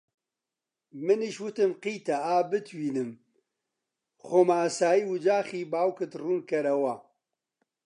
منیش وتم: قیتە! ئا بتوینم خۆم ئاسایی وەجاخی باوکت ڕوون کەرەوە